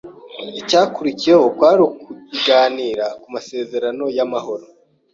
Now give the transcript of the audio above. Icyakurikiyeho kwari ukuganira ku masezerano y’amahoro.